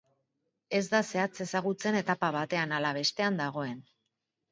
Ez da zehatz ezagutzen etapa batean ala bestean dagoen.